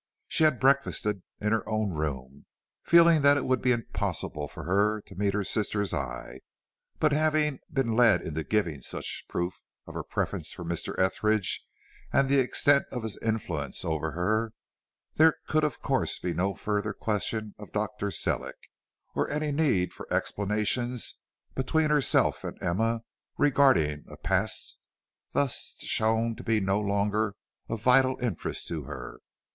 She had breakfasted in her own room, feeling that it would be impossible for her to meet her sister's eye, but having been led into giving such proof of her preference for Mr. Etheridge, and the extent of his influence over her, there could of course be no further question of Dr. Sellick, or any need for explanations between herself and Emma regarding a past thus shown to be no longer of vital interest to her.